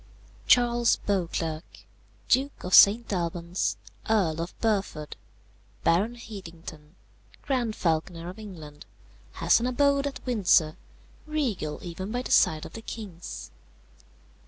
"Charles Beauclerc, Duke of St. Albans, Earl of Burford, Baron Hedington, Grand Falconer of England, has an abode at Windsor, regal even by the side of the king's.